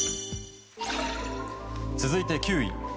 続いて９位。